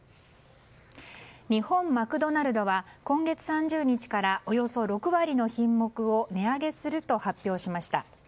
日本マクドナルドは今月３０日からおよそ６割の品目を値上げすると発表しました。